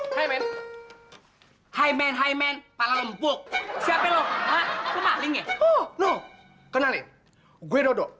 hai men hai men hai men para lempuk siapa lo ah kemahling ya oh no kenalin gue dodo